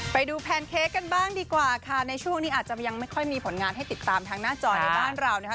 แพนเค้กกันบ้างดีกว่าค่ะในช่วงนี้อาจจะยังไม่ค่อยมีผลงานให้ติดตามทางหน้าจอในบ้านเรานะคะ